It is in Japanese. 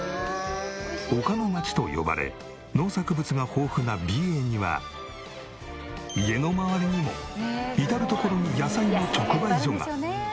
「丘のまち」と呼ばれ農作物が豊富な美瑛には家の周りにも至る所に野菜の直売所が。